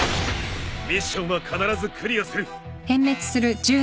ミッションは必ずクリアする。